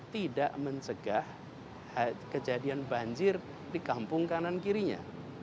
tidak mencegah kejadian banjir di kampung kanan kirinya